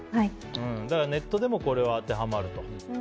ネットでもこれは当てはまると。